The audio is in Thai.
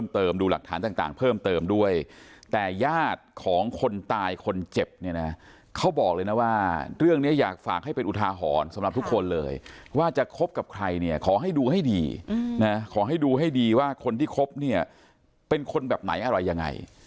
หลักฐานต่างเพิ่มเติมด้วยแต่ญาติของคนตายคนเจ็บเนี่ยนะเขาบอกเลยนะว่าเรื่องนี้อยากฝากให้เป็นอุทาหรณ์สำหรับทุกคนเลยว่าจะคบกับใครเนี่ยขอให้ดูให้ดีนะขอให้ดูให้ดีว่าคนที่คบเนี่ยเป็นคนแบบไหนอะไรยังไง